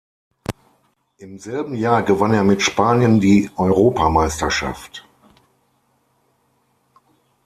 Im selben Jahr gewann er mit Spanien die Europameisterschaft.